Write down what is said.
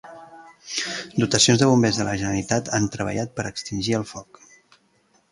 Dotacions de Bombers de la Generalitat han treballat per extingir el foc.